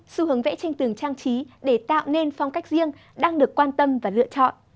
xu hướng vẽ tranh tường trang trí để tạo nên phong cách riêng đang được quan tâm và lựa chọn